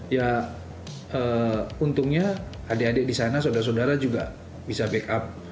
ya untungnya adik adik di sana saudara saudara juga bisa backup